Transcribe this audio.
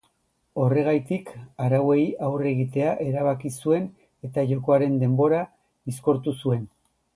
Horregaitik arauei aurre egitea erabaki zuen eta jokoaren denbora bizkortu zuen.